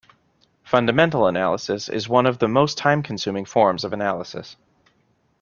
Fundamental analysis is one of the most time consuming forms of analysis.